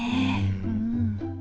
うん。